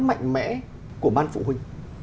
mạnh mẽ của ban phụ huynh